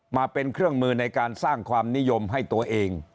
มาเป็นเครื่องมือในการสร้างความนิยมให้ตัวเอง